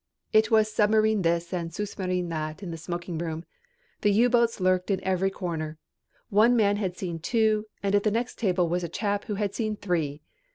It was submarine this and sousmarin that in the smoking room. The U boats lurked in every corner. One man had seen two and at the next table was a chap who had seen three.